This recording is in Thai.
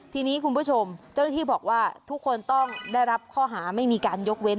ทีนี้คุณผู้ชมเจ้าหน้าที่บอกว่าทุกคนต้องได้รับข้อหาไม่มีการยกเว้น